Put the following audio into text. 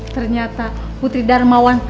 ternyata putri darmawan